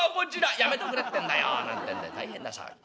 「やめとくれってんだよ」なんてんで大変な騒ぎ。